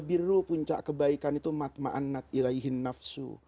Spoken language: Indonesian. itu puncak kebaikan itu